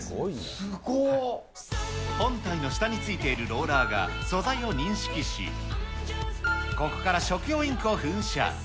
本体の下についているローラーが素材を認識し、ここから食用インクを噴射。